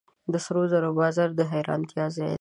د سرو زرو بازار د حیرانتیا ځای دی.